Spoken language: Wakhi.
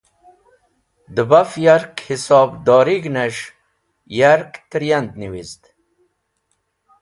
Dẽ baf yark hisadorig̃hnẽs̃h yark tẽryand niwizd.